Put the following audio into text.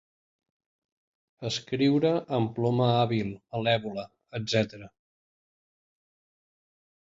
Escriure amb ploma hàbil, malèvola, etc.